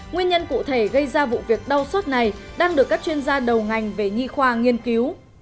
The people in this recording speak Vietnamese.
nguyên nhân cụ thể gây ra vụ việc đau xót này đang được các chuyên gia đầu ngành về nhi khoa nghiên cứu